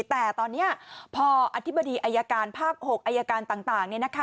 แต่ตอนนี้พออธิบดีอายการภาค๖อายการต่าง